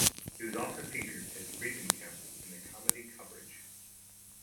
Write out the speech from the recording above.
He was also featured as Reisenkemp in the comedy "Coverage".